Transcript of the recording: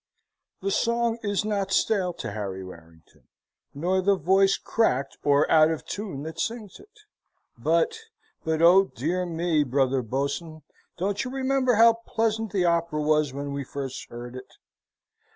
The song is not stale to Harry Warrington, nor the voice cracked or out of tune that sings it. But but oh, dear me, Brother Boatswain! Don't you remember how pleasant the opera was when we first heard it?